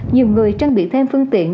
nhiều người trang bị thêm phương tiện